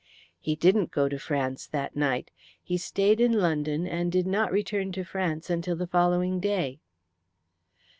"He didn't go to France that night. He stayed in London, and did not return to France until the following day."